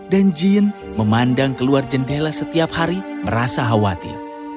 dan jean memandang keluar jendela setiap hari merasa khawatir